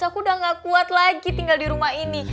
aku udah gak kuat lagi tinggal di rumah ini